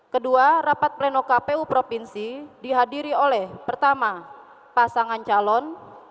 kedua rapat pleno kpu provinsi dihadiri oleh pertama pasangan calon